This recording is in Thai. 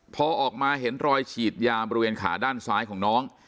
พอออกมาเห็นรอยฉีดยาบริเวณขาด้านซ้ายของน้อง